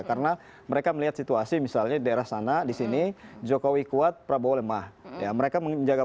karena mereka melihat situasi misalnya daerah sana di sini jokowi kuat prabowo lemah ya mereka menjaga